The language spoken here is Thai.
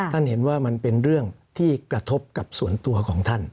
ท่านเห็นว่ามันเป็นเรื่องที่กระทบกับส่วนตัวของท่าน